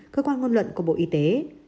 cơ quan ngôn luận của bộ y tế